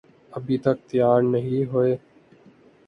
ابھی تک تیار نہیں ہوئیں؟